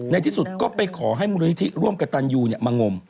ที่สุดก็ไปขอให้มูลนิธิร่วมกับตันยูมางม